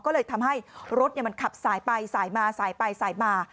ก็เลยทำให้รถมันขับสายไปสายมาสายไปสายมา